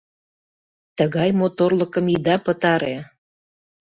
— Тыгай моторлыкым ида пытаре!